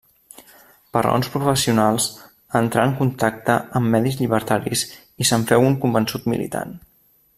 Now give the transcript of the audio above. Per raons professionals entrà en contacte amb medis llibertaris i se'n féu un convençut militant.